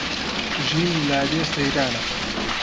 ژینی لادێ سەیرانە